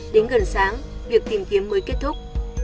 đến gần sáng việc tìm kiếm mới kết thúc